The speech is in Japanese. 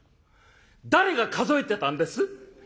「誰が数えてたんです？」。